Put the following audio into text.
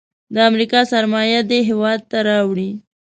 د امریکا سرمایه دې هیواد ته راوړي.